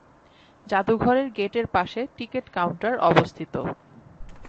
জাদুঘরের গেটের পাশে টিকেট কাউন্টার অবস্থিত।